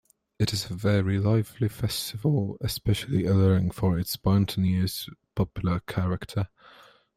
It is a very lively festival, especially alluring for its spontaneous popular character.